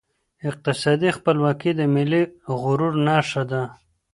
اقتصادي خپلواکي د ملي غرور نښه ده.